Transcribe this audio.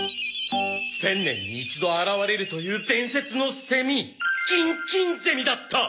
千年に一度現れるという伝説のセミキンキンゼミだった！